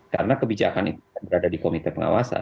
karena kebijakan itu berada di komite pengawasan